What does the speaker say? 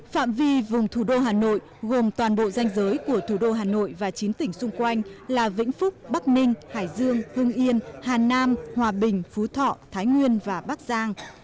phạm vi vùng thủ đô hà nội gồm toàn bộ danh giới của thủ đô hà nội và chín tỉnh xung quanh là vĩnh phúc bắc ninh hải dương hương yên hà nam hòa bình phú thọ thái nguyên và bắc giang